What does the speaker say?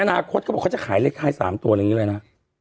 อนาคตเขาบอกเขาจะขายเลขท้าย๓ตัวอะไรอย่างนี้เลยนะ